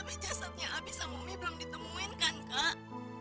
tapi jasadnya abis sama mie belum ditemuin kan kak